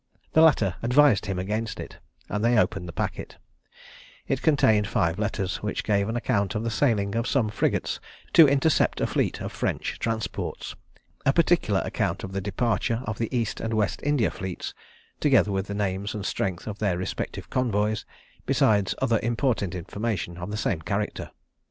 The latter advised him against it, and they opened the packet: it contained five letters, which gave an account of the sailing of some frigates to intercept a fleet of French transports; a particular account of the departure of the East and West India fleets, together with the names and strength of their respective convoys, besides other important information of the same character.